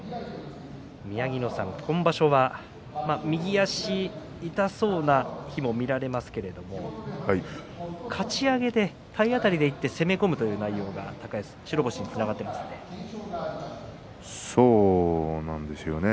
宮城野さん、今場所は右足、痛そうな日も見られますがかち上げで体当たりでいって攻め込むという内容の高安白星につながっていますね。